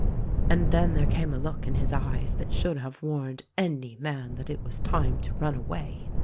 And then there came a look in his eyes that should have warned any man that it was time to run away.